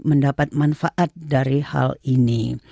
manfaat dari hal ini